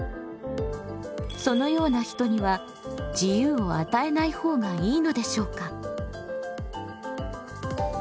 そのような人には自由を与えない方がいいのでしょうか？